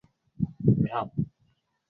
Ninawaunga mkono kwa juhudi zao hizo